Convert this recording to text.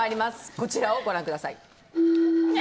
こちらをご覧ください。